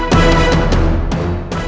jahat dewa batahmu